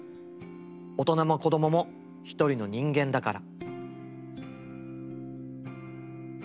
大人も子供も一人の人間だから」。